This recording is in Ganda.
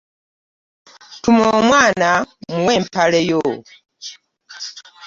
Tuma omwana mmuwe empale yo.